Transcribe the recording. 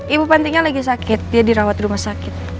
ibu pentingnya lagi sakit dia dirawat di rumah sakit